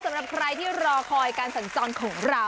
สำหรับใครที่รอคอยการสัญจรของเรา